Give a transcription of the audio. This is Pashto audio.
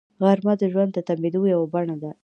غرمه د ژوند د تمېدو یوه بڼه ده